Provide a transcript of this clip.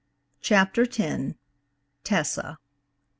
CHAPTER X. TESSA.